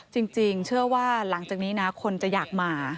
จริงเชื่อว่าหลังจากนี้นะคนจะอยากมา